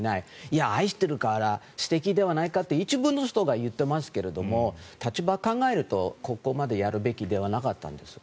いや、愛しているから素敵ではないかって一部の人が言っていますが立場を考えるとここまでやるべきではなかったんです。